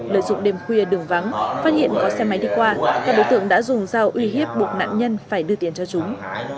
lợi dụng đêm khuya đường vắng phát hiện có xe máy đi qua các đối tượng đã dùng dao uy hiếp buộc nạn nhân phải đưa tiền cho chúng